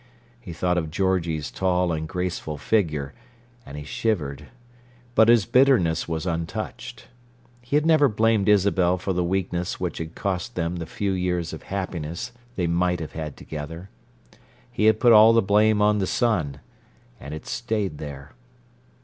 He thought of Georgie's tall and graceful figure, and he shivered, but his bitterness was untouched. He had never blamed Isabel for the weakness which had cost them the few years of happiness they might have had together; he had put the blame all on the son, and it stayed there.